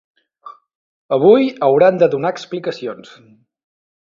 Avui hauran de donar explicacions.